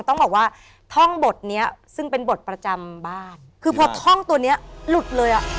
ต้องบอกว่าท่องบทเนี้ยซึ่งเป็นบทประจำบ้านคือพอท่องตัวเนี้ยหลุดเลยอ่ะ